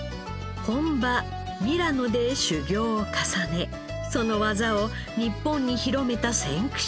本場ミラノで修業を重ねその技を日本に広めた先駆者です。